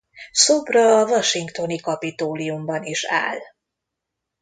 Szobra a washingtoni Capitoliumban is áll.